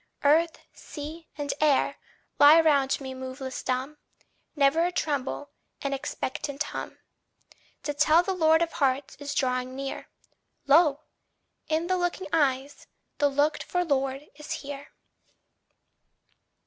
Earth, sea, and air lie round me moveless dumb, Never a tremble, an expectant hum, To tell the Lord of Hearts is drawing near: Lo! in the looking eyes, the looked for Lord is here.